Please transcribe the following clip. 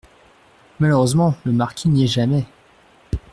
Malheureusement, le marquis n’y est jamais !